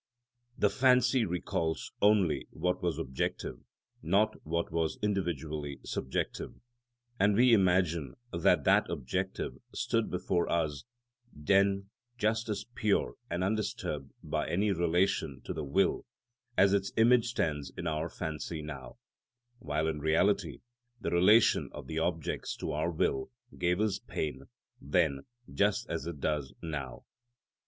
The fancy recalls only what was objective, not what was individually subjective, and we imagine that that objective stood before us then just as pure and undisturbed by any relation to the will as its image stands in our fancy now; while in reality the relation of the objects to our will gave us pain then just as it does now.